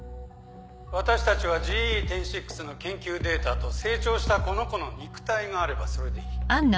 私たちはＧＥ１０．６の研究データと成長したこの子の肉体があればそれでいい。